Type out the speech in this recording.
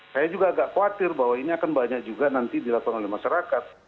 saya juga agak khawatir bahwa ini akan banyak juga nanti dilakukan oleh masyarakat